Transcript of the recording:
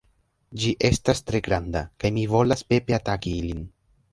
Ĝi estas tre granda. kaj mi volas pepe ataki ilin